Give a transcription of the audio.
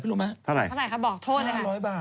เท่าไหร่ค่ะบอกโทษลี้ค่ะ